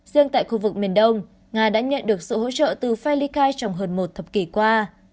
riêng tại khu vực miền đông nga đã nhận được sự hỗ trợ từ fellikai trong hơn một thập kỷ qua